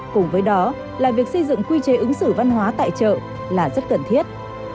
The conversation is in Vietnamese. cùng với đó là việc xây dựng quy chế ứng xử văn hóa tại chợ là rất cần thiết